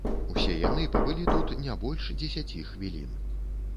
Яны ўсе пабылі тут не больш дзесяці хвілін.